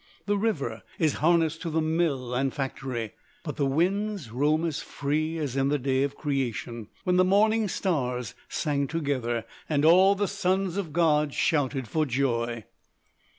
The river is harnessed to the mill and factory. But the winds roam as free as in the day of creation "when the morning stars sang together, and all the sons of God shouted for joy."